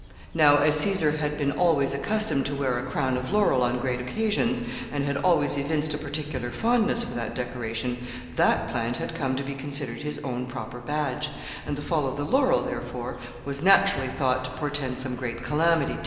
Now, as Caesar had been always accustomed to wear a crown of laurel on great occasions, and had always evinced a particular fondness for that decoration, that plant had come to be considered his own proper badge, and the fall of the laurel, therefore, was naturally thought to portend some great calamity to him.